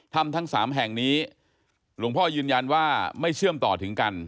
ทั้งสามแห่งนี้หลวงพ่อยืนยันว่าไม่เชื่อมต่อถึงกัน